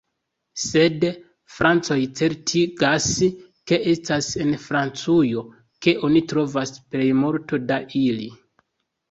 Sed... francoj certigas ke estas en Francujo ke oni trovas plej multo da ili.